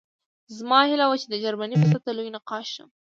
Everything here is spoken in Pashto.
زما هیله وه چې د جرمني په سطحه لوی نقاش شم